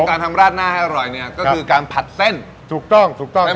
การทำราดหน้าให้อร่อยเนี่ยก็คือการผัดเส้นถูกต้องถูกต้อง